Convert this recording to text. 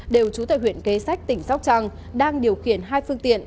đều trú tại huyện kế sách tỉnh sóc trăng đang điều khiển hai phương tiện